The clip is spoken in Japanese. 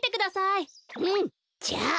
うんじゃあ。